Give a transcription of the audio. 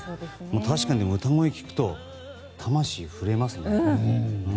確かに、歌声を聴くと魂が震えますね。